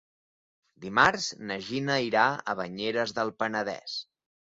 Dimarts na Gina irà a Banyeres del Penedès.